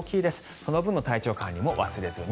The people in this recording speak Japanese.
その分の体調管理も忘れずに。